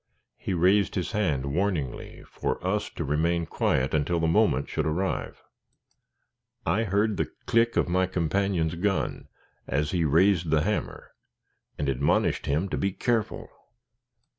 He raised his hand warningly for us to remain quiet until the moment should arrive. I heard the click of my companion's gun, as he raised the hammer, and admonished him to be careful.